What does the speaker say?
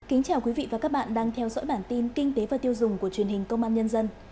kính chào quý vị và các bạn đang theo dõi bản tin kinh tế và tiêu dùng của truyền hình công an nhân dân